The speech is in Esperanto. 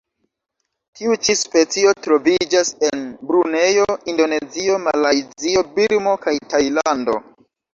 Tiu ĉi specio troviĝas en Brunejo, Indonezio, Malajzio, Birmo kaj Tajlando.